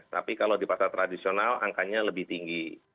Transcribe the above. tapi kalau di pasar tradisional angkanya lebih tinggi